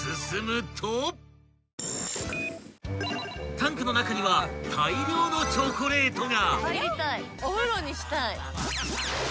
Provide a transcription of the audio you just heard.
［タンクの中には大量のチョコレートが］